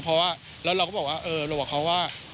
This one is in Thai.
เพราะว่าแล้วเราก็บอกว่าเออเราบอกเขาว่า